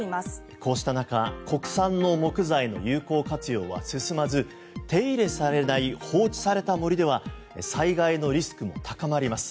こうした中国産の木材の有効活用は進まず手入れされない放置された森では災害のリスクも高まります。